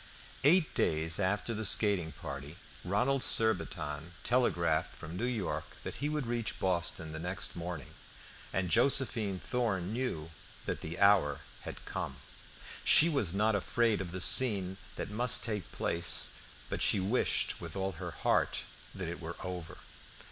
Eight days after the skating party, Ronald Surbiton telegraphed from New York that he would reach Boston the next morning, and Josephine Thorn knew that the hour had come. She was not afraid of the scene that must take place, but she wished with all her heart that it were over.